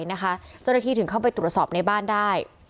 เจ้าหน้าที่ถึงเข้าไปตรวจสอบในบ้านได้